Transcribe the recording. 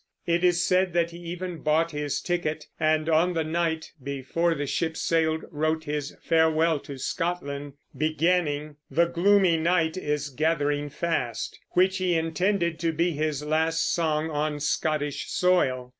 It is said that he even bought his ticket, and on the night before the ship sailed wrote his "Farewell to Scotland," beginning, "The gloomy night is gathering fast," which he intended to be his last song on Scottish soil.